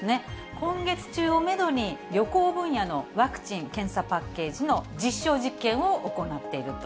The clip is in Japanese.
今月中をメドに、旅行分野のワクチン・検査パッケージの実証実験を行っていると。